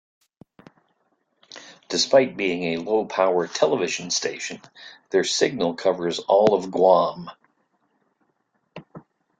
Despite being a low-power television station, their signal covers all of Guam.